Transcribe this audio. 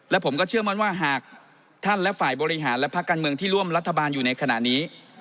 และผมก็เชื่อมั่นว่าหากท่านและฝ่ายบริหารและภาคการเมืองที่ร่วมรัฐบาลอยู่ในขณะนี้